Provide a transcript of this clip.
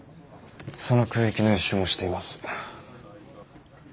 その空域の予習もしています。